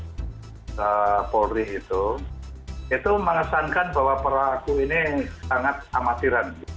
mabes polri itu mengesankan bahwa perlaku ini sangat amatiran